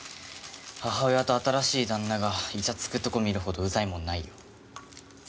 母親と新しい旦那がイチャつくとこ見るほどうざいもんないよ。